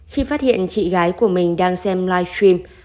khi phát hiện chị gái của mình đang xem livestream